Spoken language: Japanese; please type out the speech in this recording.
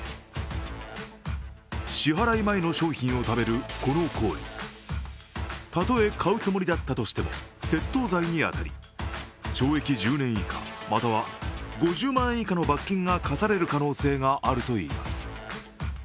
支払い前の商品を食べるこの行為、たとえ買うつもりだったとしても窃盗罪に当たり、懲役１０年以下、または５０万円以下の罰金が科される可能性があるといいます。